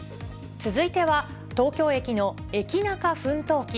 続いては、東京駅のエキナカ奮闘記。